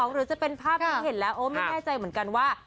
หรือจะเป็นภาพที่เห็นแล้วโอ้ไม่แน่ใจเหมือนกันว่า